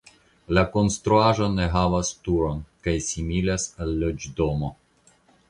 La konstruaĵo ne havas turon kaj similas al loĝdomo.